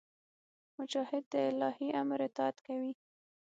مجاهد د الهي امر اطاعت کوي.